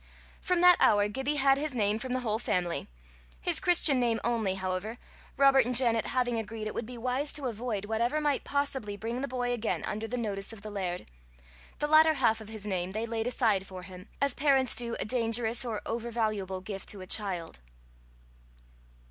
From that hour Gibbie had his name from the whole family his Christian name only, however, Robert and Janet having agreed it would be wise to avoid whatever might possibly bring the boy again under the notice of the laird. The latter half of his name they laid aside for him, as parents do a dangerous or over valuable gift to a child.